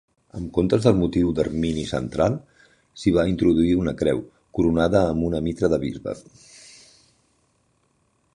En comptes del motiu d'ermini central, s'hi va introduir una creu, coronada amb una mitra de bisbe.